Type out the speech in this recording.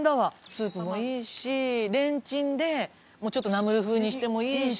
スープもいいしレンチンでちょっとナムル風にしてもいいし。